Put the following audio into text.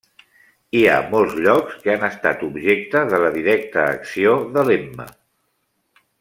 Hi ha molts llocs que han estat objecte de la directa acció de l'Emma.